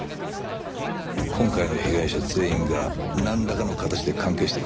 今回の被害者全員がなんらかの形で関係してたんだ。